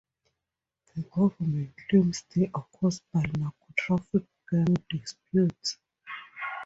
The government claims they are caused by narcotraffic gang disputes.